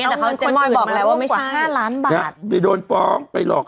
เอาเงินคนอื่นมาร่วมกว่าห้าล้านบาทนะฮะไม่โดนฟ้องไปหลอก